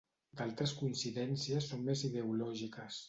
D'altres coincidències són més ideològiques.